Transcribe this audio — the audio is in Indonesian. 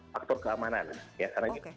faktor keamanan ya karena